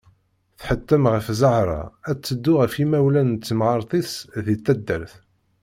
Tḥettem ɣef Zahra ad teddu ɣer yimawlan n temɣart-is di taddart.